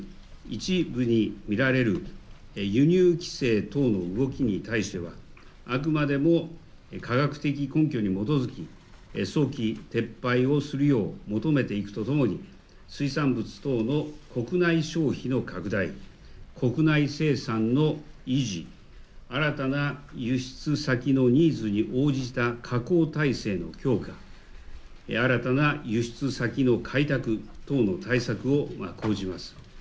さらに、一部に見られる輸入規制等の動きに対してはあくまでも科学的根拠に基づき、早期撤廃をするよう求めていくとともに水産物等の国内消費の拡大、国内生産の維持、新たな輸出先のニーズに応じた加工体制の強化、新たな輸出先の開拓等の対策を講じます。